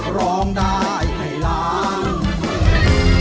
ร้องได้ให้รักร้องได้ให้รัก